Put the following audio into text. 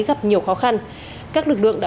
gặp nhiều khó khăn các lực lượng đã